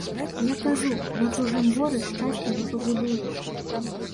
Я кажу, на чужым горы шчасця не пабудуеш.